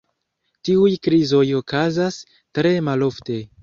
Tiuj krizoj okazas tre malofte.